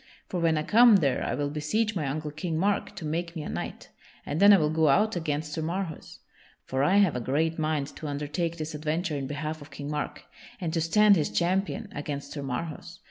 For when I come there I will beseech my uncle King Mark to make me a knight, and then I will go out against Sir Marhaus. For I have a great mind to undertake this adventure in behalf of King Mark, and to stand his champion against Sir Marhaus.